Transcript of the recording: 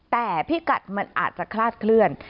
แต่พิกัดมันอาจจะคลาดเคลื่อน